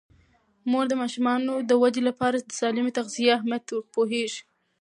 مور د ماشومانو د ودې لپاره د سالمې تغذیې اهمیت پوهیږي.